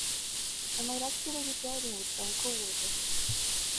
I might actually be driving with some coworkers.